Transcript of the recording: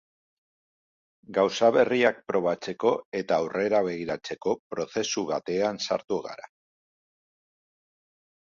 Gauza berriak probatzeko eta aurrera begiratzeko prozesu batean sartu gara.